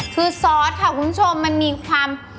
คือซอสค่ะทุกคนมันมีความ